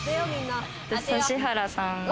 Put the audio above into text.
指原さん